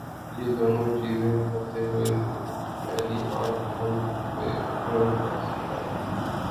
یہ دونوں چیزیں ہوتے ہوئے میلی آنکھ ہم پہ کون رکھ سکتاہے؟